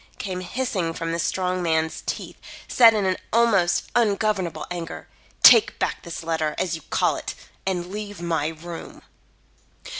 came hissing from the strong man's teeth, set in almost ungovernable anger. "Take back this letter, as you call it, and leave my room."